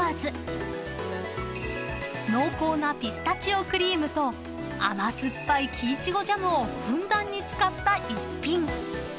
［濃厚なピスタチオクリームと甘酸っぱい木苺ジャムをふんだんに使った逸品］